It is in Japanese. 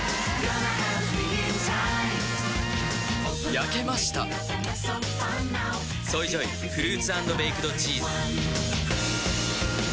焼けました「ＳＯＹＪＯＹフルーツ＆ベイクドチーズ」